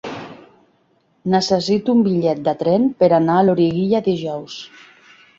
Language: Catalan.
Necessito un bitllet de tren per anar a Loriguilla dijous.